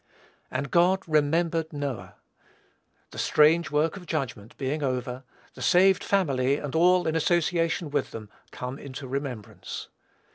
"And God remembered Noah." The strange work of judgment being over, the saved family, and all in association with them, come into remembrance.